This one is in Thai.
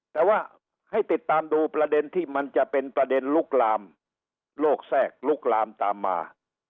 แต่ว่าให้ติดตามดูประเด็นที่มันจะเป็นประเด็นลุกลามโลกแทรกลุกลามตามมา